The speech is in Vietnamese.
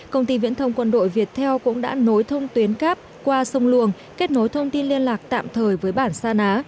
công ty viễn thông quân đội việt theo cũng đã nối thông tuyến cáp qua sông luồng kết nối thông tin liên lạc tạm thời với bản sa ná